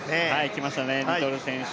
きましたね、リトル選手